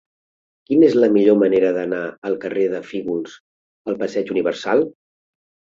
Quina és la millor manera d'anar del carrer de Fígols al passeig Universal?